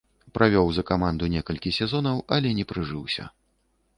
Правёў за каманду некалькі сезонаў, але не прыжыўся.